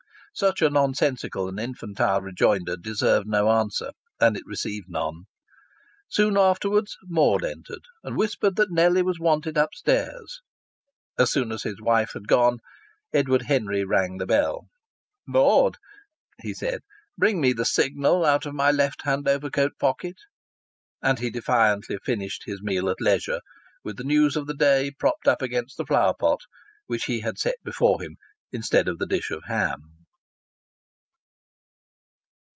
Such a nonsensical and infantile rejoinder deserved no answer, and it received none. Shortly afterwards Maud entered and whispered that Nellie was wanted upstairs. As soon as his wife had gone Edward Henry rang the bell. "Maud," he said, "bring me the Signal out of my left hand overcoat pocket." And he defiantly finished his meal at leisure, with the news of the day propped up against the flower pot, which he had set before him instead of the dish of ham.